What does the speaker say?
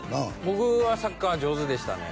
僕はサッカー上手でしたね